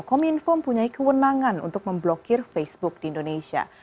kominfo punya kewenangan untuk memblokir facebook di indonesia